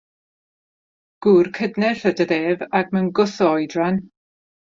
Gŵr cydnerth ydoedd ef, ac mewn gwth o oedran.